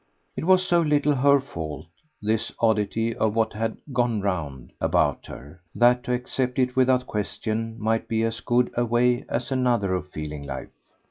It was so little her fault, this oddity of what had "gone round" about her, that to accept it without question might be as good a way as another of feeling life.